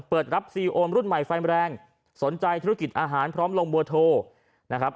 เปิดรับซีโอนรุ่นใหม่ไฟแรงสนใจธุรกิจอาหารพร้อมลงบัวโทนะครับ